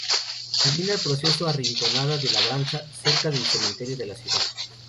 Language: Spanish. Termina en el acceso a Rinconada de Labranza, cerca del cementerio de la ciudad.